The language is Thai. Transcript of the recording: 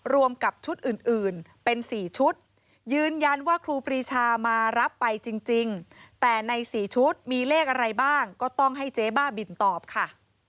รวมกับชุดอื่นเป็น๔ชุดยืนยันว่าครูปรีชามารับไปจริงแต่ใน๔ชุดมีเลขอะไรบ้างก็ต้องให้เจ๊บ้าบินตอบค่ะ